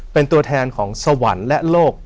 เป็นตัวแทนของสวรรค์และโลก